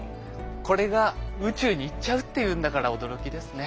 これが宇宙に行っちゃうっていうんだから驚きですね。